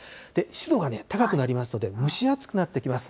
湿度が高くなりますので、蒸し暑くなってきます。